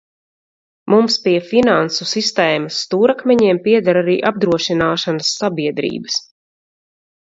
Mums pie finansu sistēmas stūrakmeņiem pieder arī apdrošināšanas sabiedrības.